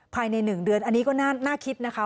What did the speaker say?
ภายใน๑เดือนอันนี้ก็น่าคิดนะคะ